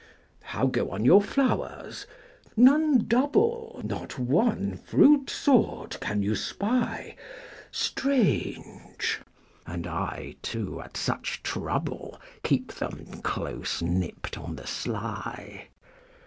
How go on your flowers? None double Not one fruit sort can you spy? Strange! And I, too, at such trouble, Keep them close nipped on the sly!